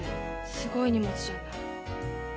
すごい荷物じゃない。